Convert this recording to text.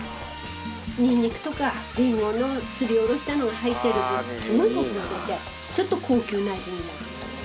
ニンニクとかリンゴのすり下ろしたのが入ってる分すごいコクが出てちょっと高級な味になる。